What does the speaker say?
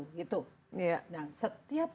gitu nah setiap